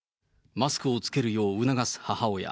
マスクを着けるよう促す母親。